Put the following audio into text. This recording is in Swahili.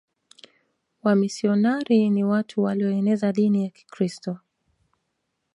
Wamisionari ni watu walioeneza dini ya kikiristo